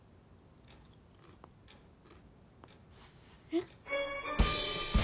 えっ？